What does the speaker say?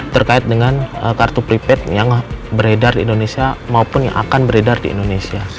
terkait dengan kartu pripat yang beredar di indonesia maupun yang akan beredar di indonesia